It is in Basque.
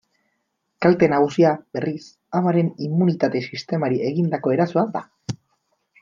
Kalte nagusia, berriz, amaren immunitate-sistemari egindako erasoa da.